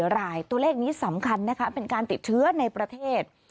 รายตัวเลขนี้สำคัญนะคะเป็นการติดเชื้อในประเทศ